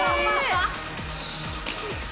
すげえ！